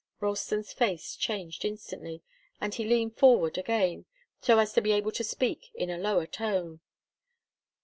Ralston's face changed instantly, and he leaned forward again, so as to be able to speak in a lower tone.